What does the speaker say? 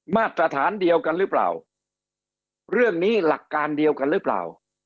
มาตรฐานเดียวกันหรือเปล่าเรื่องนี้หลักการเดียวกันหรือเปล่า